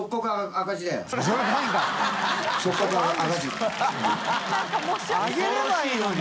上げればいいのに。